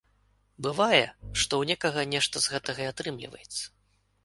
Бывае, што ў некага нешта з гэтага і атрымліваецца.